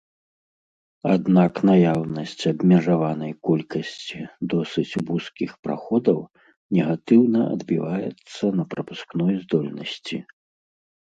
Аднак наяўнасць абмежаванай колькасці досыць вузкіх праходаў негатыўна адбіваецца на прапускной здольнасці.